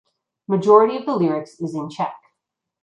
Majority of the lyrics is in Czech.